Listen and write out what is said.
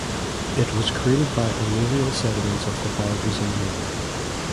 It was created by alluvial sediments of the Barguzin River.